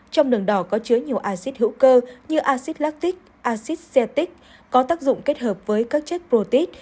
trong đường đỏ có chứa nhiều acid hữu cơ như acid lactic acid cetic có tác dụng kết hợp với các chất protite